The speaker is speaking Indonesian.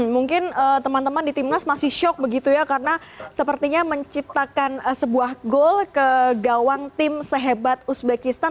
mungkin teman teman di timnas masih shock begitu ya karena sepertinya menciptakan sebuah gol ke gawang tim sehebat uzbekistan